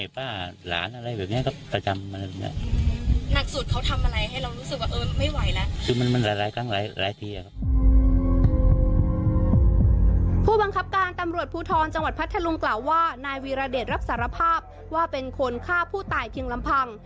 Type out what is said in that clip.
ผู้บังคับการตำรวจภูทรจังหวัดพัทธลุงกล่าวว่านายวีรเดชรับสารภาพว่าเป็นคนฆ่าผู้ตายเพียงลำพัง